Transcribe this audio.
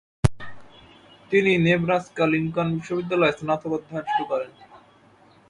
তিনি নেব্রাস্কা-লিঙ্কন বিশ্ববিদ্যালয়ে স্নাতক অধ্যয়ন শুরু করেন।